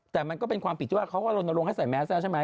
แต่มันก็เป็นความปิดด้วยเขาก็เริ่มว่าไปไซ่แมซแล้วใช่ไหม